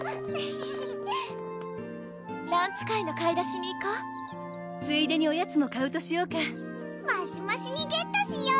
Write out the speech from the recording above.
・ランチ会の買い出しに行こうついでにおやつも買うとしようかマシマシにゲットしよう！